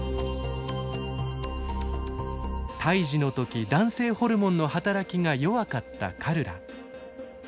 胎児の時男性ホルモンの働きが弱かったカルラ。